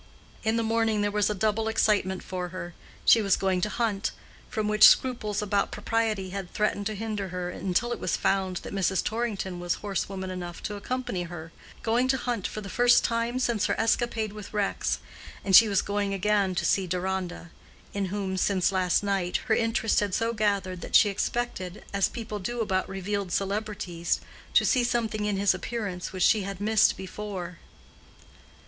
In the morning there was a double excitement for her. She was going to hunt, from which scruples about propriety had threatened to hinder her, until it was found that Mrs. Torrington was horsewoman enough to accompany her—going to hunt for the first time since her escapade with Rex; and she was going again to see Deronda, in whom, since last night, her interest had so gathered that she expected, as people do about revealed celebrities, to see something in his appearance which she had missed before.